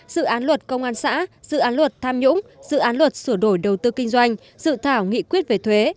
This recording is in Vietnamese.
dự án luật công an xã dự án luật tham nhũng dự án luật sửa đổi đầu tư kinh doanh dự thảo nghị quyết về thuế